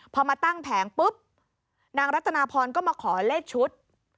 พอมาตั้งแผงปุ๊บนางรัตนาพรก็มาขอเลขชุด